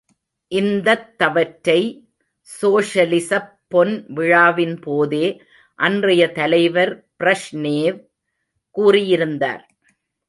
இந்தத் தவற்றை, சோஷலிசப் பொன் விழாவின்போதே அன்றைய தலைவர் பிரஷ்னேவ் கூறியிருந்தார்.